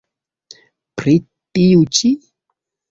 Pri tiu ĉi?